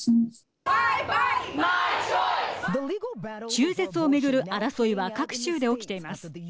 中絶を巡る争いは各州で起きています。